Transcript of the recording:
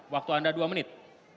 waktu anda dua menit